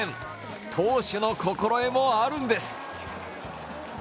投手の心得もあるんです。